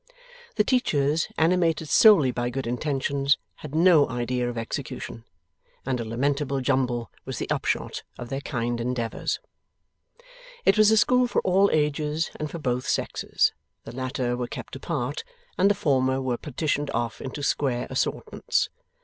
The teachers, animated solely by good intentions, had no idea of execution, and a lamentable jumble was the upshot of their kind endeavours. It was a school for all ages, and for both sexes. The latter were kept apart, and the former were partitioned off into square assortments.